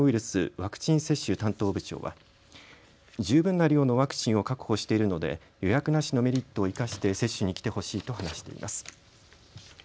ワクチン接種担当部長は十分な量のワクチンを確保しているので予約なしのメリットを生かして接種に来てほしいと話しています。